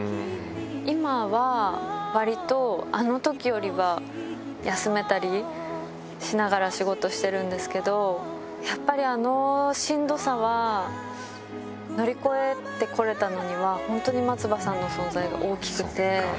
今はわりと、あのときよりは休めたりしながら仕事してるんですけど、やっぱりあのしんどさは、乗り越えてこれたのには、本当に松葉さんの存在が大きくて。